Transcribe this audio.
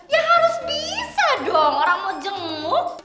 ya harus bisa dong orang mau jemuk